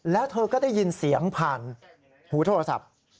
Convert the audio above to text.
แล้วเธอก็ได้ยินเสียงผ่านหูโทรศัพท์